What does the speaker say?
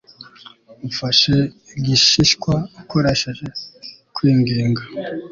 Ufashe igishishwa ukoresheje kwinginga